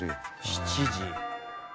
７時。